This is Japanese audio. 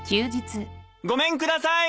・ごめんください。